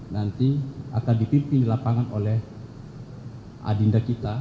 nanti akan dipimpin di lapangan oleh adinda kita